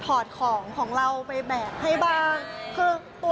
ก็ขอบคุณใจเขาค่ะ